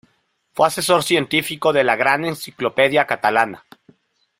Fue asesor científico de la "Gran Enciclopedia Catalana.